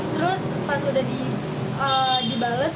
terus pas udah dibales